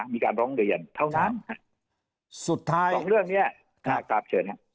มีการลงเรียนเท่านั้นส่วนเรื่องนี้ถามเชิญฮะ